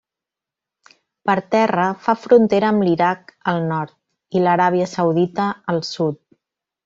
Per terra, fa frontera amb l'Iraq al nord i l'Aràbia Saudita al sud.